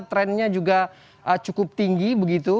trennya juga cukup tinggi begitu